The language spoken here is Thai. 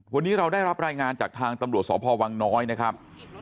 วันนี้เราได้รับรายงานจากทางตำรวจสพวังน้อยนะครับ